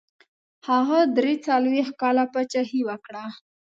هغه دري څلوېښت کاله پاچهي وکړه.